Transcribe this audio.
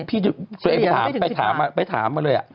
พี่ตัวเองไปถามมาเลย